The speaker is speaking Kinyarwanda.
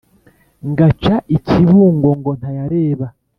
ngaca i kibungo ngo ntayareba